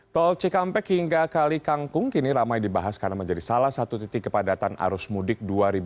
tol cikampek hingga kali kangkung kini ramai dibahas karena menjadi salah satu titik kepadatan arus mudik dua ribu dua puluh